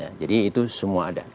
ya jadi itu semua ada